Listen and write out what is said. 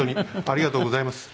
ありがとうございます。